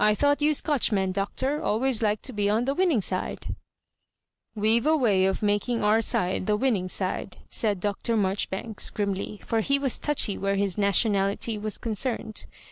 I thought you Scotch men, Doctor, always liked to be on the winning fiida" " "We've *a way of making our side the winning Bide," said Dr. Marjoribanks, grimly, for he was touchy where his nationality was concerned.